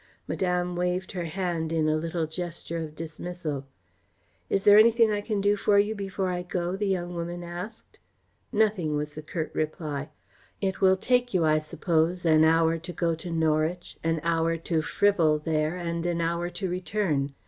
Madame waved her hand in a little gesture of dismissal. "Is there anything I can do for you before I go?" the young woman asked. "Nothing," was the curt reply. "It will take you, I suppose, an hour to go to Norwich, an hour to frivol there, and an hour to return.